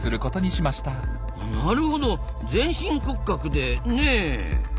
なるほど全身骨格でねえ。